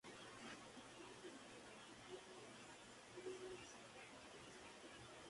Las ventanas son de doble arco en las plantas primera y segunda.